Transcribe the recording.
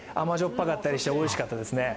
ぱかったりして、おいしかったですね。